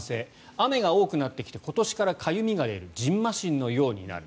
雨が多くなってきて今年からかゆみが出るじんましんのようになる。